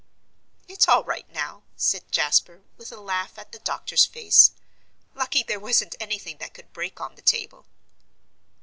"It's all right now," said Jasper, with a laugh at the doctor's face. "Lucky there wasn't anything that could break on the table."